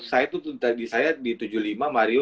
saya tuh tadi saya di tujuh puluh lima mario